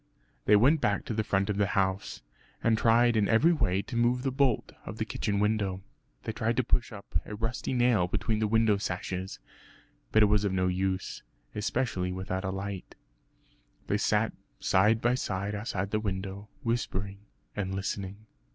They went back to the front of the house, and tried in every way to move the bolt of the kitchen window. They tried to push up a rusty nail between the window sashes; but it was of no use, especially without a light. They sat side by side outside the window, whispering and listening.